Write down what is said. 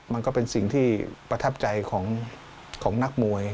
มันก็เป็นสิ่งที่ประทับใจของนักมวย